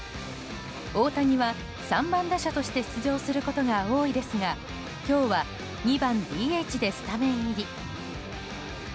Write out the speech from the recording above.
大谷は３番打者として出場することが多いですが今日は２番ＤＨでスタメン入り。